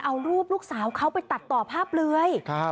เอารูปลูกสาวเขาไปตัดต่อภาพเปลือย